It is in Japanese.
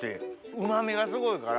うま味がすごいから。